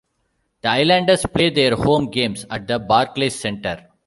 The Islanders play their home games at the Barclays Center.